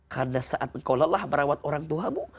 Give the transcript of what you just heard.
karena saat kau lelah merawat orang tuamu